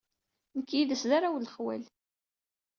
Nekk yid-s d arraw n lexwal.